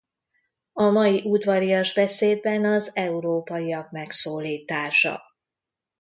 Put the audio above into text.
A mai udvarias beszédben az európaiak megszólítása.